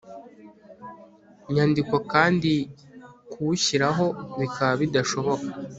nyandiko kandi kuwushyiraho bikaba bidashoboka